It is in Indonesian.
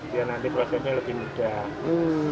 biar nanti puasanya lebih mudah